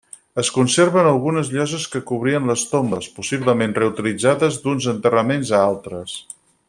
Es conserven algunes lloses que cobrien les tombes, possiblement reutilitzades d'uns enterraments a altres.